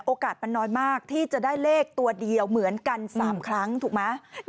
มันน้อยมากที่จะได้เลขตัวเดียวเหมือนกัน๓ครั้งถูกไหม